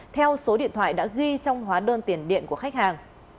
theo số điện thoại đã ghi trong hóa đơn tiền điện của khách hàng